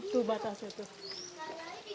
tuh batasnya tuh